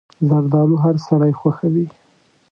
زردالو هر سړی خوښوي.